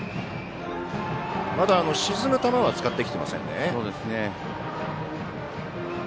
まだ沈む球は使ってきていませんね。